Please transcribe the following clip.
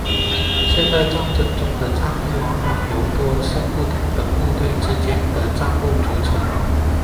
现代战争中的战役往往由多次不同的部队之间的战斗组成。